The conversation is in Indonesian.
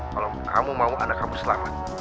kalau kamu mau anak kamu selamat